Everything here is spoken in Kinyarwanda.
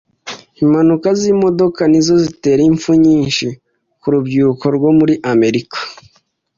Impanuka z’imodoka nizo zitera impfu nyinshi ku rubyiruko rwo muri Amerika.